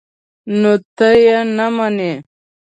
_نو ته يې نه منې؟